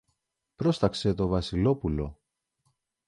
πρόσταξε το Βασιλόπουλο.